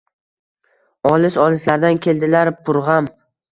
Olis-olislardan keldilar purg’am